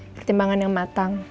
pertimbangan yang matang